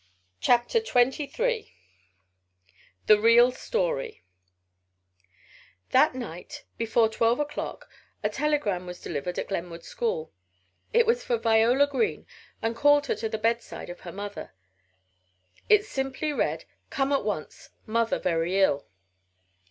CHAPTER XXIII THE REAL STORY That night before twelve o'clock a telegram was delivered at Glenwood school. It was for Viola Green and called her to the bedside of her mother. It simply read: "Come at once. Mother very ill."